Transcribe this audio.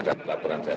kita telah berhubung